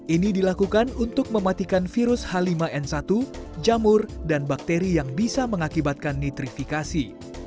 ini dilakukan untuk mematikan virus h lima n satu jamur dan bakteri yang bisa mengakibatkan nitrifikasi